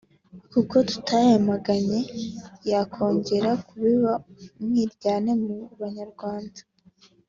kuko tutayamaganye yakongera kubiba umwiryane mu banyarwanda